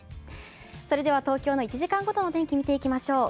それでは東京の１時間ごとの天気見ていきましょう。